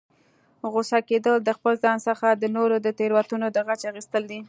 غوسه کیدل، د خپل ځان څخه د نورو د تیروتنو د غچ اخستل دي